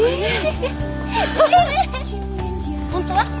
本当は？